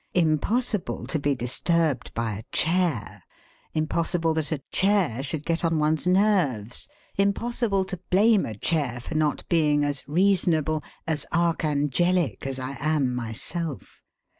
Impossible to be disturbed by a chair! Impossible that a chair should get on one's nerves! Impossible to blame a chair for not being as reasonable, as archangelic as I am myself!